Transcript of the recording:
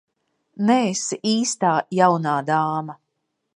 Neesi īstā jaunā dāma.